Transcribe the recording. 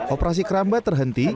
operasi keramba terhenti